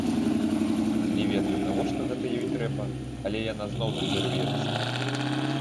Не ведаю, навошта гэта ёй трэба, але яна зноў туды рвецца.